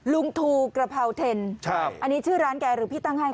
ลุงทูกระเพราเทนอันนี้ชื่อร้านแกหรือพี่ตั้งให้